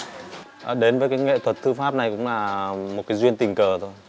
lần đầu tiên mình đến đây là đến với cái nghệ thuật thư pháp này cũng là một cái duyên tình cờ thôi